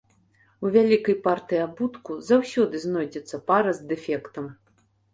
У вялікай партыі абутку заўсёды знойдзецца пара з дэфектам.